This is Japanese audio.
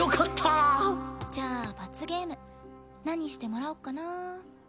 じゃあ罰ゲーム何してもらおっかな。